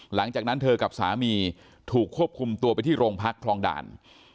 หลังจากนั้นเธอกับสามีถูกควบคุมตัวไปที่โรงพักคลองด่าน